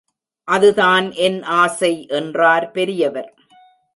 அதுதான் என் ஆசை என்றார் பெரியவர்.